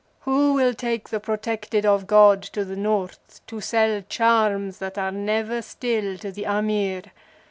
Who will take the Protected of God to the North to sell charms that are never still to the Amir?